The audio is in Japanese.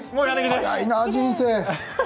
早いな、人生。